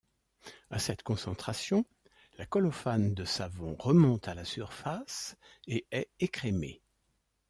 À cette concentration, la colophane de savon remonte à la surface et est écrémée.